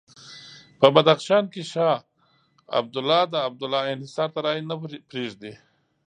په بدخشان کې شاه عبدالله د عبدالله انحصار ته رایې نه پرېږدي.